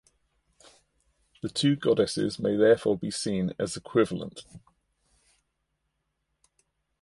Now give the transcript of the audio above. The two goddesses may therefore be seen as equivalent.